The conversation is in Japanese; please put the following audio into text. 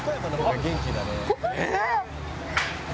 えっ？